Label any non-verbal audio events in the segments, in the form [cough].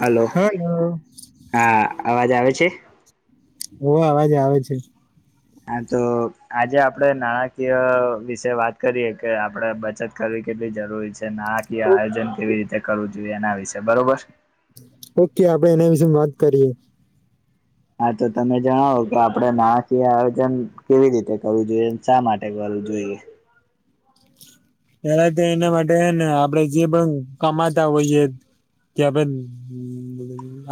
Hello hello હા અવાજ આવે છે? હોવે અવાજ આવે છે. હા તો આજે આપડે નાણાકીય વિશે વાત કરીએે કે આપડે બચત કરવી કેટલી જરૂરી છે, નાણાકીય આયોજન કેવી રીતે કરવું જોઈએ, એના વિશે બરોબર ઓકે આપે એના વિશે વાત કરીએ. હા તો તમે જણાવો કે આપડે નાણાકીય આયોજન કેવી રીતે કરવું જોઈએ? અને શા માટે કરવું જોઈએ? ત્યારે તો એના માટે હેને આપણેે જે પણ કમાતા હોઈએ કયા પન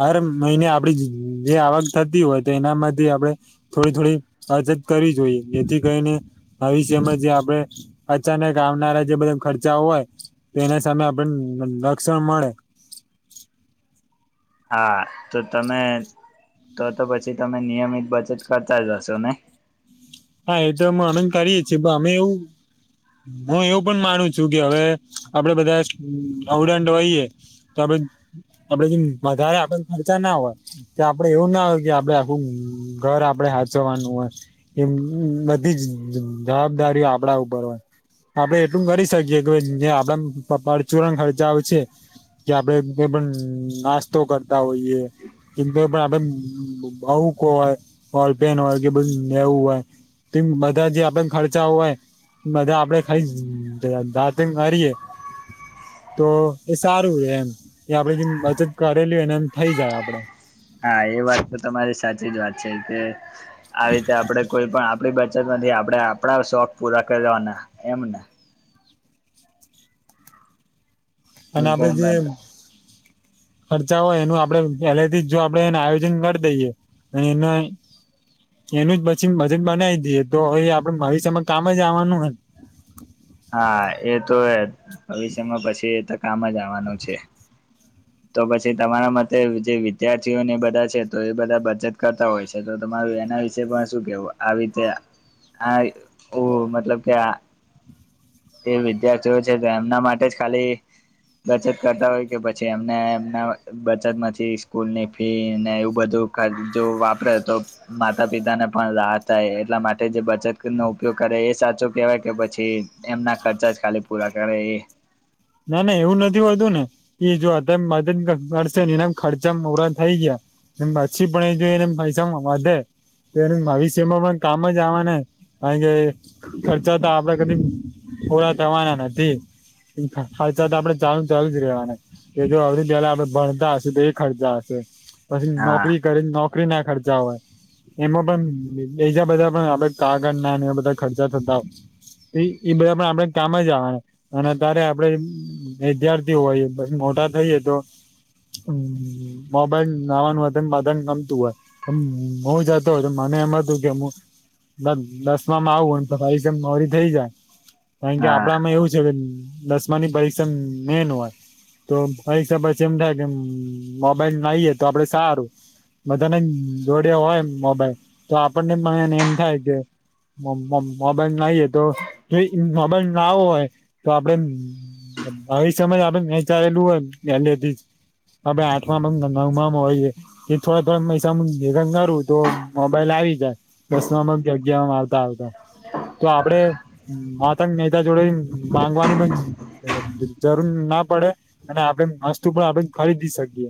હર મહિને આપડી જે આવક થતી હોય તો એનામાંથી આપડે થોડી થોડી અચત કરવી જોઈએ. જેથી કરીને ભવિષ્યમાં જે આપણે અચાનક આવનારા જે બધા ખર્ચા હોય તો એના સામે આપણન રક્ષણ મળે. હા તો તમે તો તો પછી તમે નિયમિત બચત કરતા જ હશો ની? હા એ તો અમેન કરીએે છીએ પણ અમે એવું હું એવું પણ માનું છું કે હવે આપડે બધા અવડાંડ હોઈએ. તો આપે આપડે વધારે આપણને ખર્ચા ના હોય. કે આપડે એવું ના હોય કે આપડે આખું ઘર આપડે હાચવવાનું હોય. એમ બધી જ જવાબદારીઓ આપડા ઉપર હોય. આપડે એટલું કરી શકીએે કે જે આપડન પરચુરણ ખર્ચાઓ છે કે આપડે કઈ પણ નાસ્તો કરતા હોઈએ. કેમ કે પણ આપડે બહૂક હોય, બોલપેન હોય કે બધું નેવું હોય તીમ બધા જે આપન જે ખર્ચાઓ હોય. બધા આપડે ખાલી ધાતિંગ કરીએે તો એ સારું રે એમ. એ આપડે જેમ બચત કરેલી હોય એને એમ થઇ જાય આપડે. હા એ વાત તો તમારી સાચી જ વાત છે કે આવી રીતે આપણેે કોઈ પણ આપડી બાજુ તેમાંથી આપણા શોખ પૂરા કરવાના એમ ને આપણે જેમ ખર્ચા હોય એનું આપડે પહેલેથી જ જો આપડે એને આયોજન કરી દઈએ અને એના એનું જ પછી બજેટ બનાવી દઈએ તો હવે આપડે ભવિષ્યમાં કામ જ આવવાનું હોને હા એ તો ભવિષ્યમાં પછી કામ જ આવવાનું છે. તો પછી તમારા મતે જે વિદ્યાર્થીઓને બધા છે, તો એ બધા બચત કરતા હોય છે. તો તમારું એના વિશે પણ શું કેવું આવી રીતે આ ઓ મતલબ કે આ એ વિદ્યાર્થીઓ છે એમના માટે જ ખાલી બચત કરતા હોય કે પછી એમને એમના બચત માંથી સ્કૂલ ની ફી ને એવું બધું જો વાપરે તો માતા પિતા ને પણ રાહ થાય એટલા માટે જે બચત નો ઉપયોગ કરે એ સાચો કેહેવાય કે પછી એમના ખર્ચા જ ખાલી પૂરા કરે એ? ના ના એવું નથી હોતું ને કે જો અત્યારે મદદ કરશે ને એના ખર્ચા પૂરા થઈ ગયા એ પાછી પણ એ જોઈને પૈસા વધે ભવિષ્યમાં પણ કામ જ આવે ને કારણ કે ખર્ચા તો આપડા કદી પૂરા થવાના નથી, ખર્ચા તો આપડે ચાલુ ચાલુ જ રેવાના કે જો આની પહેલા આપડે ભણતા હશે તો ખર્ચા હશે, પછી હા નોકરી કરીને નોકરી ના ખર્ચા હોય. એમાં પણ બીજા બધા પણ આપ કાગળ ના એ બધા ખર્ચા થતા હોય એ બધા પણ આપડે કામ જ આવેવા અને ત્યારે આપડે વિદ્યાર્થી હોઈ મોટા થઈએ તો હ મોબાઈલ નાવાનું બધણ ગમતું હોય. હમ હુંજ હતો મને એમ હતું કે હું બસ દસમાં આવું ને તો ભાઈ એક્ઝામ મોરી થઇ જાય કારણ કે હા આપડામાં એવું છે કે દસમા ની પરીક્ષા મેન હોય. તો હરીસા પછી એમ થાય કે મોબાઈલ નાઈએ તો આપડે સારું. બધાને જોડિયા હોય મોબાઈલ તો આપણને મને એમ થાય કે મોબાઈલ નાઈ તો જો મોબાઈલ ના હોય આપે ભવિષ્યમાં આપડે વહેચાયેલું હોય પહેલે થી હમણાં આઠમા-નમાંમ હોઈયે. એ થોડા થોડા પૈસા ભેગા કરું તો મોબાઈલ આવી જાય. દસમામાં અગિયારમાં આવતા આવતા. તો આપડે મહતંગ નેતા જોડે વાની જરૂર ના પડે. અને આપડે વસ્તુ પણ આપડે ખરીદી શકીએ.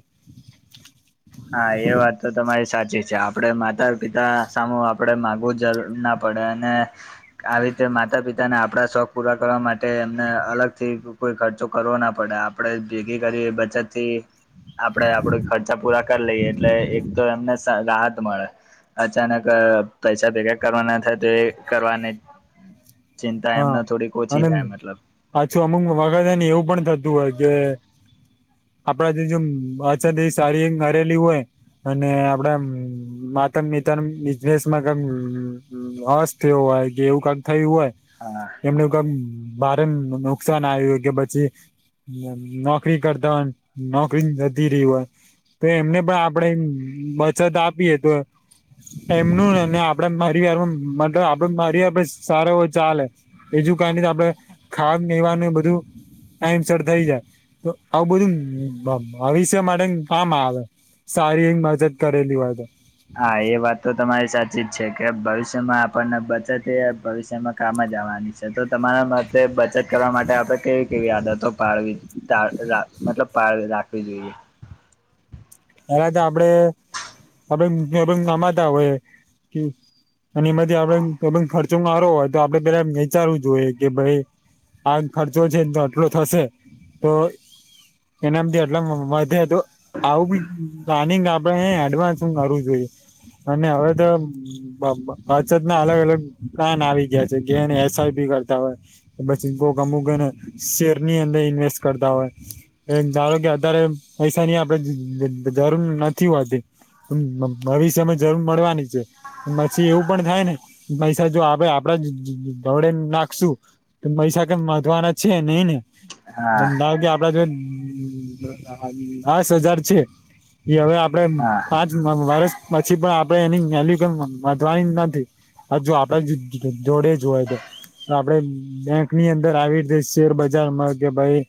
હા એ વાત તો તમારી સાચી છે આપડે માતા પિતા સામું આપણેે માગવું જ ના પડે અને આવી રીતે માતા પિતાને આપડા શોખ પૂરા કરવા માટે એમને અલગ થી કોઈ ખર્ચો કરવો ના પડે આપડે ભેગી કરી બચત થી આપડે આપડું ખર્ચા પૂરા કરી લઈએ એટલે એક તો એમને રાહત મળે. અચાનક પૈસા ભેગા કરવાના થાય તો એ કરવાની ચિંતા એમને થોડીક ઓછી થાય મતલબ. પાછુ અમુક વગદાને એવું પણ થતું હોય કે આપડા જે જે અછ સારી નરેલી હોય અને આપડા [unintelligible] ન બિઝનેસમાં [unintelligible] તે હોય કે એવું કામ થયું હોય. હા એમ ક ભારે નુકસાન આવ્યું કે પછી. નોકરી કરતા હો નોકરી નથીતી રહી હોય તો એમને પણ આપણેે બચત આપીએ તો એમનું નઈ આપડે મારી વાર મતલબ આપડે મારી વાર સારા હોય ચાલે એજું કાર આપડણે ખાવાનું બધું ટાઈમસ થઈ જાય તો આવું બધું ભવિષ્ય માટે કામ આવે સારી એ મજત કરેલી હોય તો હા એ વાત તો તમારી સાચી જ છે કે ભવિષ્યમાં આપણને બચત ભવિષ્યમાં કામ જ આવવાની છે તો તમારા માટે બચત કરવા માટે આપડણે કેવી કેવી આદતો પાડવી મતલબ પાવી રાખવી જોઈએ. પેલા તો આપડે આપડ રમાતા હોય. અને એમાંથી આપડ ખર્ચો મારો હોય તો આપડે પેલા વિચારવું જોઈએ કે ભાઈ આ ખર્ચો છેને તો આટલો થશે તો એનામથી એટલા વધે તો આવું બી પ્લાનિંગ આપડે એડવાન્સ હું કરવું જોઈએ અને હવે તો બછત ના અલગ અલગ સ્થાન આવી ગયા છે જેને એસઆઈપી કરતા હોય. પછી કોકમુગ અને શેર ની અંદર ઇન્વેસ્ટ કરતા હોય. એ ધારો કે અતારે પૈસા ની આપડે જરૂર નથી હોતી. નવી સમય જરૂર મળવાની છે. પછી એવું પણ થાય ને પૈસા જો આપણે આપડા ઘોડે નાખશું. તો મહીસાખ મધવાના છે નહી ને હા ધાવ કે આપડા જો દસ હજાર છે. એ હવે આપડે હા પાંચ વર્ષ પછી પણ આપે એની વલુ વધવાની નથી. હ જો આપડે જોડે જય તો આપડે બેંક ની અંદર આવી રી શેર બજારમાં કે ભાઈ.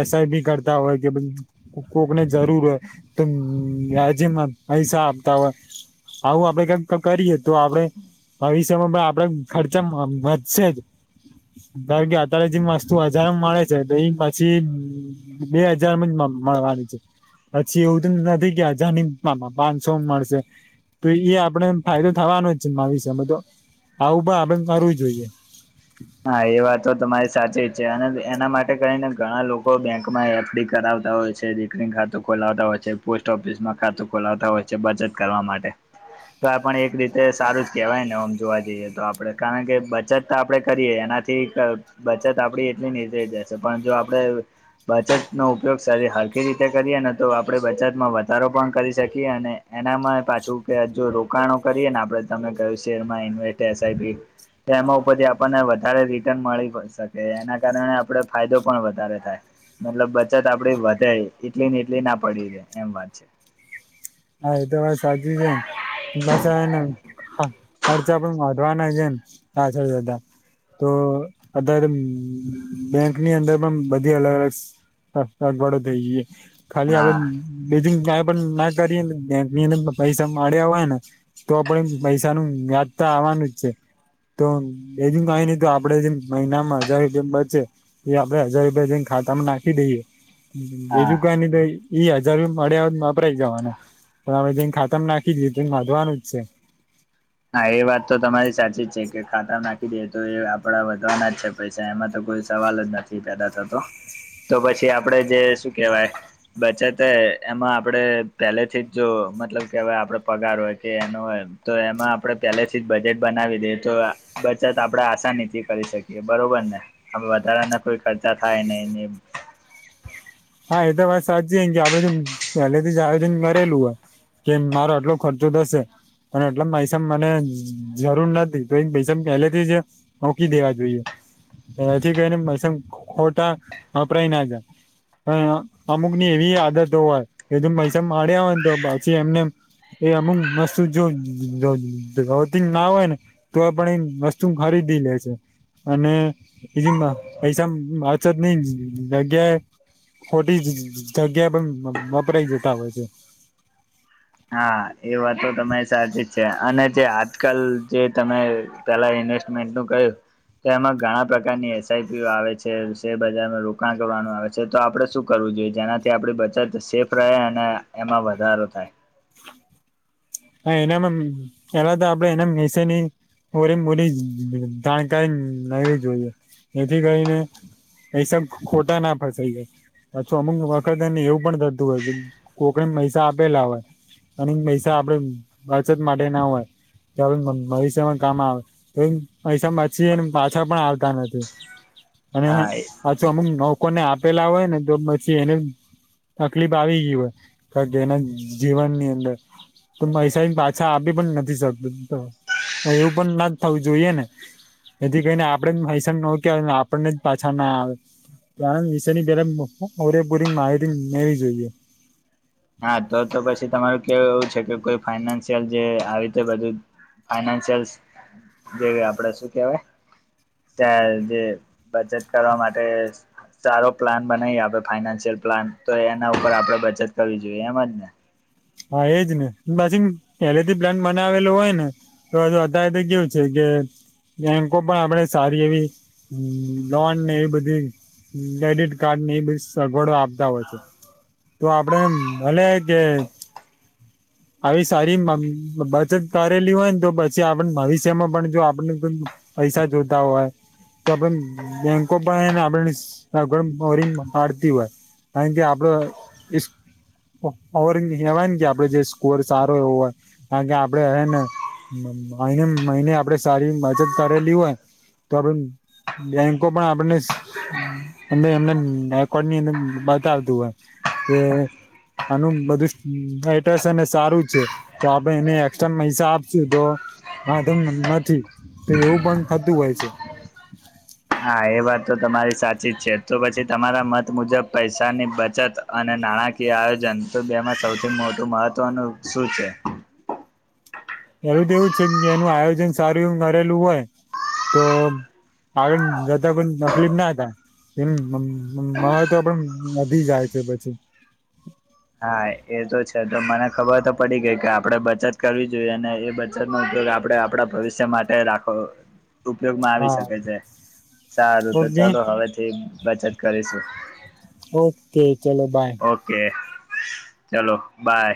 એસા ભી કરતા હોય કે ભાઈ કોકને જરૂર હોય. તો વ્યાજે પૈસા આપતા હોય. આવું આપડે કઈક કરીએ તો આપડે આવી સમય પણ આપડ ખર્ચા વધશે જ. કારણ કે અત્યારે જે વસ્તુ હજારમાં મળે છે તો એ પછી. બે હજાર જ મળવાની છે. પછી એવું તો નથી ગયા જા મામા પાનસો મળશે. તો એ આપડણે ફાયદો થવાનો જ છે મા વિષમાં તો આવું પણ આપડે કરવું જોઈએ. હા એ વાતો તો તમારી સાચી જ છે અને એના માટે કરીને ઘણા લોકો બેંકમાં એફડી કરાવતા હોય છે. દીકરી ખાતું ખોલાવતા હોય છે પોસ્ટ ઓફિસમાં ખાતું ખોલાવતા હોય છે બચત કરવા માટે તો આ પણ એક રીતે સારું જ કેવાય નેમ જોવા જઈએ તો આપડે કારણ કે બચત તો આપડે કરીએ એનાથી બચત આપડી એટલી ની જશે પણ જો આપણે બચત નો ઉપયોગ હકી રીતે કરીએ તો આપણે બચતમાં વધારો પણ કરી શકીએ અને એનામાં પાછું કે જો રોકાણો કરીએ ને આપડે તમે કયું શેર માં ઇન્વેસ્ટ એસઆઈપી. એમાં ઉપર આપ આપણને વધારે રિટર્ન મળી શકે એના કારણે આપણે ફાયદો પણ વધારે થાય. મતલબ બચત આપડી વધે એટલી ને એટલી ના પડી રે એમ વાત છે. હા એ તો વા સાચી છેાય ને બસ એને ખર્ચા પણ વધવાના છેમ આછળ બધા તો અત્યારે બેંકની અંદર પણ બધી અલગ અલગ સગવાડો થઈ જઈ ખાલી આપ હા બેજિંગ પણ ના કરી બેંક ની અંદ પૈસા માડ્યા હોય ને તો પણ એ પૈસાનું વ્યાજ તો આવવાનું જ છે તો એજ કઈ નહ તો આપડે જે મહિનામાં હજાર રૂપિયામ બચે એ આપડે હજાર રૂપિયા જેઈને ખાતામાં નાખી દઈએ હા એજુ ક ની તો એઈ હજાર મળ્યાદ વાપરાય જવાના. મે જેને ખાતમ નાખી દી તો વધવાનું જ છે. હા એ વાત તો તમારી સાચી જ છે કે ખાતા નાખી દેએ તો એ આપડા વધવાના જ છે. પ એમાં તો કોઈ સવાલ જ નથી પેદા થતો તો પછી આપડે જે શું કેહેવાય બચત એમાં આપડે પહેલેથી જ જો મતલબ કેવાય આપડ પગાર હોય કે એનો હોય. તો એમાં આપણે પહેલેથી જ બજેટ બનાવી દઈએ તો બચત આપણેે આસાનીથી કરી શકીએ બરોબર ને. હવે વધારા ના કોઈ ખર્ચા થાય ને એ હા એ તો વાત સાચી કે આપડે પહેલેથી જ આયોજન કરેલું હોય કે મારો આટલો ખર્ચો થશે અને એટલે પૈસામ મને જરૂર નથી તો ભૈસ કેલી જ મૂકી દેવા જોઈએ એથી કરીને મસમ ખોટા વપરાય ના જાય અમુક ની એવી આદતો હોય એ ત પૈસા માડ્યા હોય ને તો પછી એમને એ અમુક વસ્તુ જો ગતી ના હોય ને તો એ પણ એ વસ્તુ ખરીદી લે છે અને બીજી પૈસા અછ નઈ જગ્યાએ ખોટી જગ્યા પણ વપરાય જતા હોય છે હા એ વાતો તમારી સાચી જ છે અને જે આજકાલ જે તમે પેલા ઇન્વેસ્ટમેન્ટ નું કય્યું તો એમાં ઘણા પ્રકારની એસઆઈપી આવે છે શેરબજારમાં રોકાણ કરવાનું આવે છે છે તો આપણે શું કરવું જોઈએ જેનાથી આપણી બચત સેફ રહે અને એમાં વધારો થાય હા એનામાં એલા તો આપડે એના હશેની ઓરી બલી જાણકારી લવી જોઈએ એથી કરીને એ સબ ખોટા ના ફસાઈ ગાય અછું અમુક વખત એને એવું પણ થતું હોય કે કોકનેમાં પૈસા આપેલા હોય અને પૈસા આપડ બચત માટે ના હોય તો આપ ભવિષ્યમાં કામ આવે તો પૈસા બચી એને પાછા પણ આવતા નથી અને હા અમુક લોકોકો ને આપેલા હોય ને તો પછી એને તકલીફ આવી ગઈ હોય કાર કે એના જીવનની અંદર તો પૈસા પાછા આપી પણ નથી શકત એવું પણ ના થવું જોઈએ ને એથી કહીને આપડે હૈસાણ ન કે આવેને આપણને જ પાછા ના આવે ત વિષાની પેલા ઓરેપુરી માહરી મેળવી જોઈએ હા તો તો પછી તમારું કેવું એવું છે કે કોઈ ફાઈઇનાન્શિયલ જે આવી રીતે બધું ફાઈનાન્શિયલ જે આપડે શું કેવાય જે બચત કરવા માટે સારો પ્લાન બનાવીએ આપડણે ફાઈનાન્શિયલ પ્લાન તો એના ઉપર આપણેે બચત કરવી જોઈએ એમજ ને હા એજ ને એલજી પ્લાન્ટ મને આવેલોું હોય ને તો અત્યારે તો કેવું છે કે બેંકો પણ આપડે સારી એવી લોન ને એવી બધી ક્રેડિટ કાર્ડ ને એ બિ સગવડો આપતા હોય છે તો આપડે ભલે કે આવી સારી બચત કરેલી હોય ને તો પછી આપ ભવિષ્યમાં પણ જો આપને પૈસા જોતા હોય તો આપ બેંકો પણ ને [unintelligible] [unintelligible] કવાય ને કે આપડે જે સ્કોર સારો એવો હોય કારણ કે આપડે હ ને આને મહને આપડે સારી બચત કરેલી હોય તો આપડે બેંકોમા પણ આપડને અને એમને રકોર્ડ ની અંદર બતાવતું હોય કે આનું બધું હ [unintelligible] સારું છે. તો આપડે એને એસ્ટ્રા પૈસા આપશુ તો હા તેમ નમ નથી તો એવું પણ થતું હોય છે હા એ વાત તો તમારી સાચી જ છે તો પછી તમારા મત મુજબ પૈસાની બચત અને નાણાકીય આયોજન તો બે માં સૌથી મોટું મહત્ત્વનું શું છે પેલું તો એવું છે એનું આયોજન સારું એ કરેલું હોય તો આગળ જતા પણ તકલીફ ના થાય. એમ મમ મહત્વ પણ વધી જાઈ છે પછી. હા એ તો છે તો મને ખબર તો પડી ગઈ કે આપડે બચત કરવી જોઈએ અને બ બચત નો તો આપડે આપણા ભવિષ્ય માટે રાખો. ઉપયોગમાં આવી હા શકે છે. સારું તો ઓકે ચલો હવેથી બચત કરીશું. ઓકે ચલો બાય. ઓકે ચલો બાય.